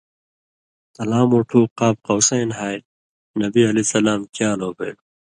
تلاں مُوٹُھو قاب قوسین ہاریۡ نبی علیہ السلام کیالو بَیلوۡ،